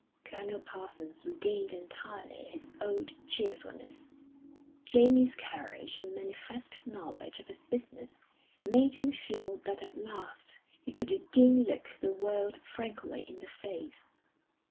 Colonel Parsons regained entirely his old cheerfulness; Jamie's courage and manifest knowledge of his business made him feel that at last he could again look the world frankly in the face.